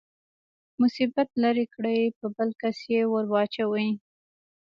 مصیبت لرې کړي په بل کس يې ورواچوي.